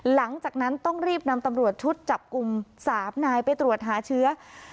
หลังจากนั้นต้องรีบนำตำรวจชุดจับกลุ่ม๓นายไปตรวจหาเชื้อ